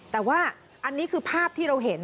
แต่ว่าอันนี้คือภาพที่เราเห็น